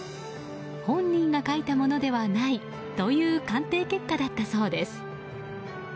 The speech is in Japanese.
本人が書いたものではないという鑑定結果だったそうです。